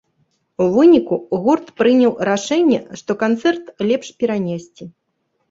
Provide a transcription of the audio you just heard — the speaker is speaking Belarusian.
У выніку, гурт прыняў рашэнне, што канцэрт лепш перанесці.